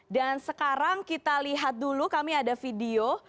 dan sekarang kita lihat dulu kami ada video